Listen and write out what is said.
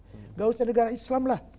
tidak usah negara islam lah